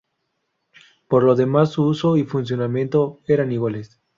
Por lo demás su uso y funcionamiento eran iguales.